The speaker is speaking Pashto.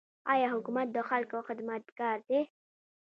آیا حکومت د خلکو خدمتګار دی؟